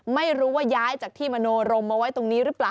ไม่รู้ว่าย้ายจากที่มโนรมมาไว้ตรงนี้หรือเปล่า